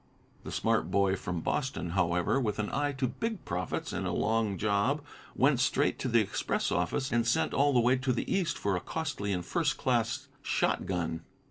The smart boy from Boston, however, with an eye to big profits and a long job, went straight to the express office, and sent all the way to the East for a costly and first class shotgun.